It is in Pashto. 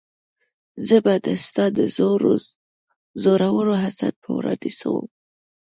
زه به د ستا د زورور حسن په وړاندې څه وم؟